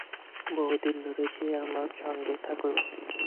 বহুদিন ধরে সে আমার সঙ্গেই থাকলো।